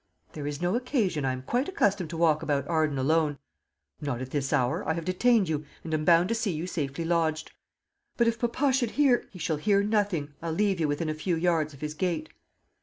"There is no occasion. I am quite accustomed to walk about Arden alone." "Not at this hour. I have detained you, and am bound to see you safely lodged." "But if papa should hear " "He shall near nothing. I'll leave you within a few yards of his gate."